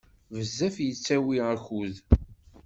Bezzef yettawi akud.